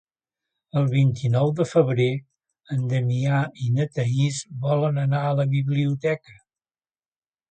El vint-i-nou de febrer en Damià i na Thaís volen anar a la biblioteca.